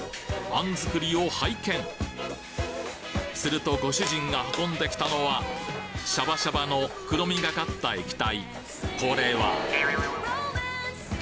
餡づくりを拝見するとご主人が運んで来たのはシャバシャバの黒みがかった液体。